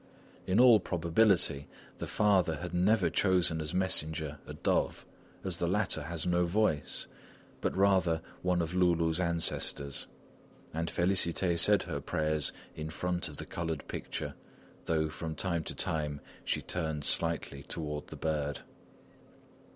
In all probability the Father had never chosen as messenger a dove, as the latter has no voice, but rather one of Loulou's ancestors. And Félicité said her prayers in front of the coloured picture, though from time to time she turned slightly toward the bird.